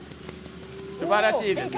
すばらしいですね。